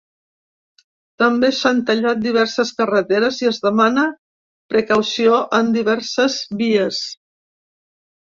També s’han tallat diverses carreteres i es demana precaució en diverses vies.